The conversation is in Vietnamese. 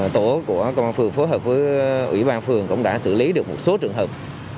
tổ của công an phường phối hợp với ủy ban phường cũng đã xử lý được một số trường hợp